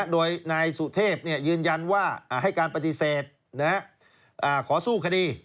โดยนายสุเทพยืนยันว่าให้การปฏิเสธขอสู้คดี